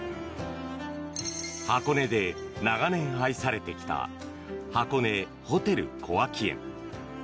箱根で長年愛されてきた箱根ホテル小涌園。